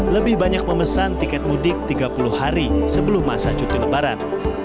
lebih banyak memesan tiket mudik tiga puluh hari sebelum masa cuti lebaran